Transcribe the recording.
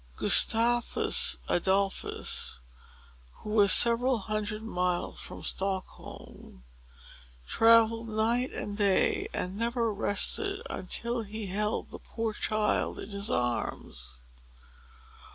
Gustavus Adolphus, who was several hundred miles from Stockholm, travelled night and day, and never rested until he held the poor child in his arms.